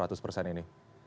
baik pak jadi begini